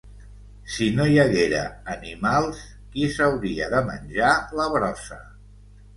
Si no hi haguera animals, qui s'hauria de menjar la brossa?